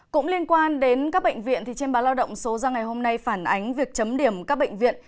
cũng liên quan đến các bệnh viện trên báo lao động số ra ngày hôm nay phản ánh việc chấm điểm các bệnh viện